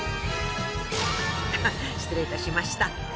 失礼いたしました。